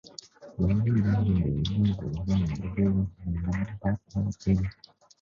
Lấy nhau để nương tựa nhau mỗi khi nắng táp mưa chang